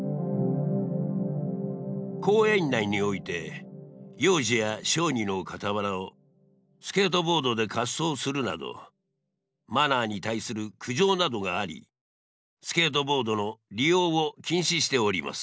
公園内において幼児や小児の傍らをスケートボードで滑走するなどマナーに対する苦情などがありスケートボードの利用を禁止しております。